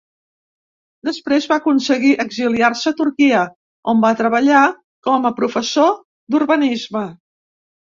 Després va aconseguir exiliar-se a Turquia, on va treballar com a professor d'urbanisme.